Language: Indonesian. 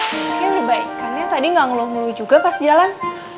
kayaknya udah baikannya tadi nggak ngelomel juga pas jalan